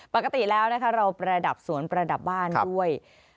ปกติแล้วนะคะเราประดับสวนประดับบ้านด้วย